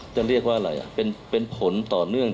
จะเรียกว่าอะไรเป็นผลต่อเนื่อง